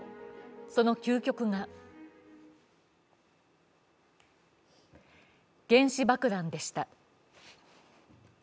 その究極が原子爆弾でした。